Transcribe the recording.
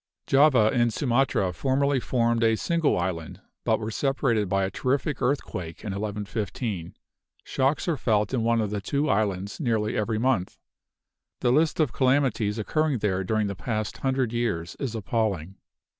Java and Sumatra formerly formed a single island, but were separated by a terrific earthquake in 1115. Shocks are felt in one of the two islands nearly every month. The list of calamities occurring there during the past hundred years is appalling.